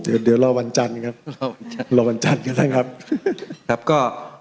เดี๋ยวเดี๋ยวรอวันจันทร์ครับรอวันจันทร์ก็ได้ครับครับก็